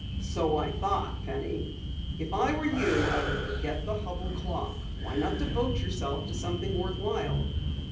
"So I thought, Penny. If I were you I would forget the Hubell clock. Why not devote yourself to something worthwhile?"